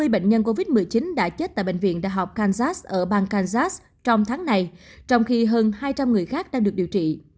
hai mươi bệnh nhân covid một mươi chín đã chết tại bệnh viện đại học kansas ở bang kazas trong tháng này trong khi hơn hai trăm linh người khác đang được điều trị